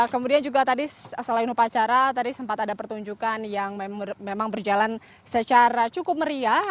kemudian juga tadi selain upacara tadi sempat ada pertunjukan yang memang berjalan secara cukup meriah